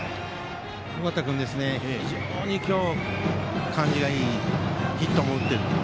尾形君、非常に今日感じがいいヒットも打っている。